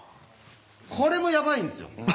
これもやばいんですよ。